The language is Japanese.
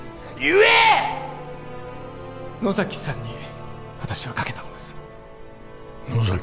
野崎さんに私は賭けたのです野崎？